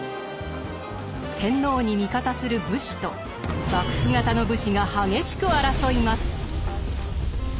天皇に味方する武士と幕府方の武士が激しく争います。